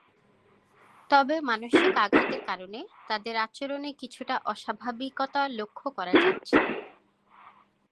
তবে মানসিক আঘাতের কারণে তাদের আচরণে কিছুটা অস্বাভাবিকতা লক্ষ করা যাচ্ছে।